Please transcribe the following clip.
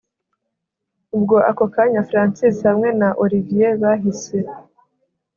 Ubwo ako kanya Francis hamwe Olivier bahise